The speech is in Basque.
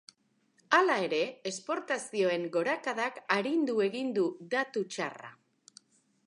Hala ere, esportazioen gorakadak arindu egin du datu txarra.